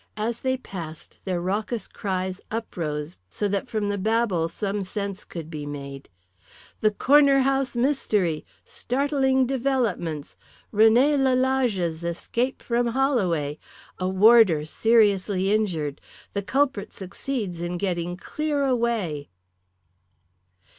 As they passed their raucous cries uprose so that from the babel some sense could be made "The Corner House Mystery! Startling Developments! René Lalage's Escape From Holloway! A Warder Seriously Injured! The Culprit Succeeds In Getting Clear Away!"